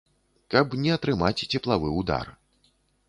Каб не атрымаць цеплавы ўдар.